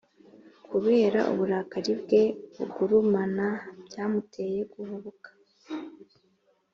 kubera uburakari bwe bugurumana, byamuteye guhubuka